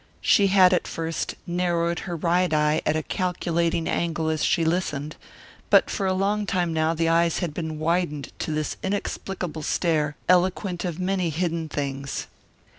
She had at first narrowed her right eye at a calculating angle as she listened; but for a long time now the eyes had been widened to this inexplicable stare eloquent of many hidden things.